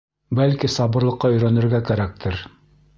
Бәлки, сабырлыҡҡа өйрәнергә кәрәктер.